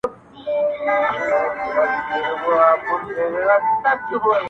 مُـخـالِـفـه کــه مـي دا ټـولـه دُنـيا وي